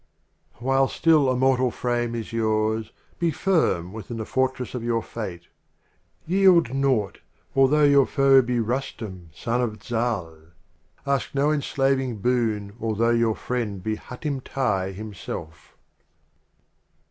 While still a Mortal Frame is yours, Be firm within the Fortress of your Fate. Yield naught, although your Foe be Rustum, Son of Zal ; Ask no enslaving Boon although your Friend be Hatim Tai him self.